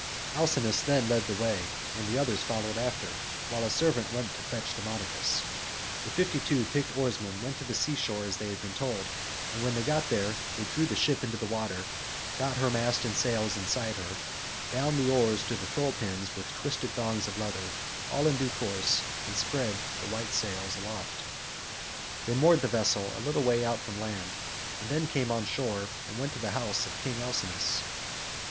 Alcinous then led the way, and the others followed after, while a servant went to fetch Demodocus. The fifty two picked oarsmen went to the sea shore as they had been told, and when they got there they drew the ship into the water, got her mast and sails inside her, bound the oars to the thole pins with twisted thongs of leather, all in due course, and spread the white sails aloft. They moored the vessel a little way out from land, and then came on shore and went to the house of King Alcinous.